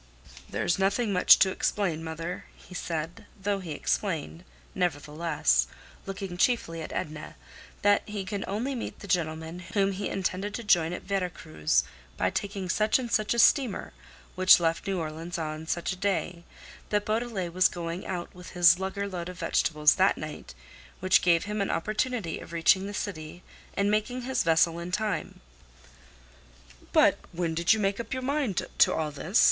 "There's nothing much to explain, mother," he said; though he explained, nevertheless—looking chiefly at Edna—that he could only meet the gentleman whom he intended to join at Vera Cruz by taking such and such a steamer, which left New Orleans on such a day; that Beaudelet was going out with his lugger load of vegetables that night, which gave him an opportunity of reaching the city and making his vessel in time. "But when did you make up your mind to all this?"